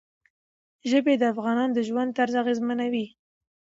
ژبې د افغانانو د ژوند طرز اغېزمنوي.